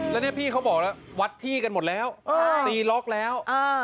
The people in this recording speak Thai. แล้วเนี่ยพี่เขาบอกแล้ววัดที่กันหมดแล้วตีล็อกแล้ว